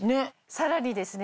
さらにですね